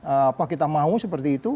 apa kita mau seperti itu